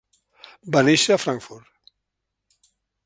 Va néixer a Frankfurt.